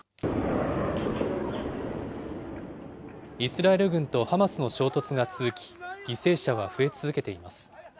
イスラエル軍とハマスの衝突が続き、犠牲者は増え続けています。